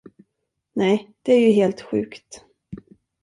Nej, det är ju helt sjukt.